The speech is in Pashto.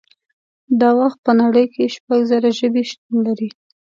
دا وخت په نړۍ کې شپږ زره ژبې شتون لري